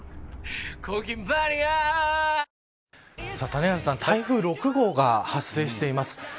谷原さん、台風６号が発生しています。